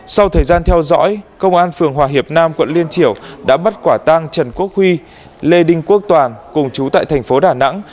sau thời gian theo dõi công an phường hòa hiệp nam quận liên triểu đã bắt quả tang trần quốc huy lê đinh quốc toàn cùng chú tại thành phố đà nẵng